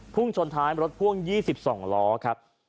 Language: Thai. พุ่งชนท้าย๒๒ล้อครับ